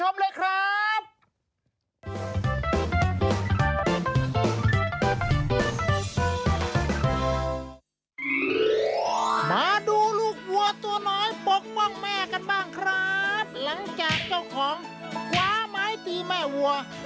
มาดูลูกวัวตัวน้อยปกป้องแม่กันบ้างครับหลังจากเจ้าของคว้าไม้ตีแม่วัว